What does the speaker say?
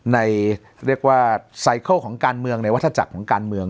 เรียกว่าไซเคิลของการเมืองในวัฒจักรของการเมือง